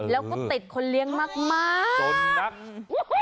แล้วก็ติดคนเลี้ยงมากจนนัก